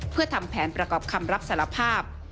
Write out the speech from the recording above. เพื่อทำแผนประกอบคำรับสารภาพ